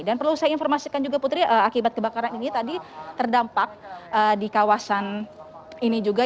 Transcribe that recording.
dan perlu saya informasikan juga putri akibat kebakaran ini tadi terdampak di kawasan ini juga